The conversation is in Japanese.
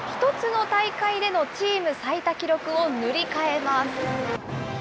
１つの大会でのチーム最多記録を塗り替えます。